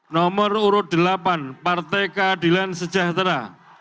nomor urut delapan partai keadilan sejahtera